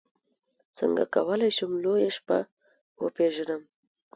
څنګه کولی شم لویه شپه وپېژنم